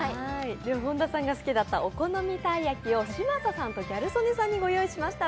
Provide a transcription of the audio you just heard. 本田さんが好きだったお好みたい焼きを嶋佐さんとギャル曽根さんにご用意しました。